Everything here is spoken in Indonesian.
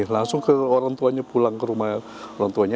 langsung ke orang tuanya pulang ke rumah orang tuanya